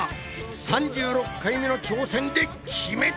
３６回目の挑戦で決めた！